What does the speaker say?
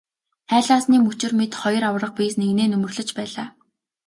Хайлаасны мөчир мэт хоёр аварга биес нэгнээ нөмөрлөж байлаа.